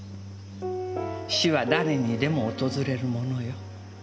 死は誰にでも訪れるものよ。